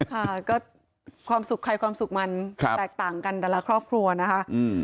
ค่ะก็ความสุขใครความสุขมันแตกต่างกันแต่ละครอบครัวนะคะ